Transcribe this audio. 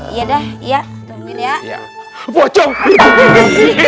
iya dah ya mungkin ya bocok itu